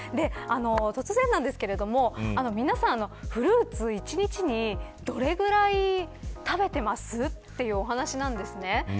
突然なんですけど皆さん、フルーツ、一日にどれぐらい食べてますというお話なんですね。